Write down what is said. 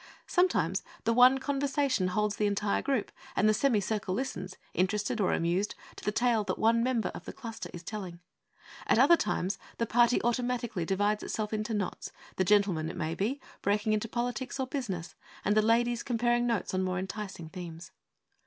Sometimes the one conversation holds the entire group, and the semi circle listens, interested or amused, to the tale that one member of the cluster is telling. At other times the party automatically divides itself into knots; the gentlemen, it may be, breaking into politics or business, and the ladies comparing notes on more enticing themes.